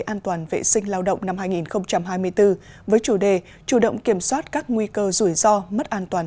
an toàn vệ sinh lao động năm hai nghìn hai mươi bốn với chủ đề chủ động kiểm soát các nguy cơ rủi ro mất an toàn